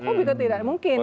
oh bukan tidak mungkin